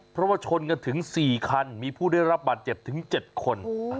เพราะว่าชนกันถึง๔คันมีผู้ได้รับบาดเจ็บถึง๗คน